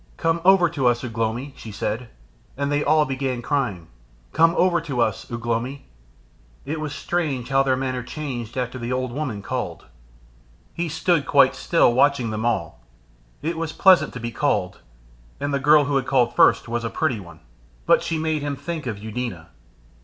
"Come over to us, Ugh lomi," she said. And they all began crying, "Come over to us, Ugh lomi." It was strange how their manner changed after the old woman called. He stood quite still watching them all. It was pleasant to be called, and the girl who had called first was a pretty one. But she made him think of Eudena.